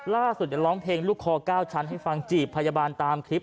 ล่าสุดยังร้องเพลงลูกคอ๙ชั้นภัยบาลตามคลิป